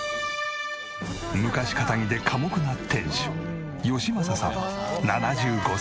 昔かたぎで寡黙な店主義正さん７５歳。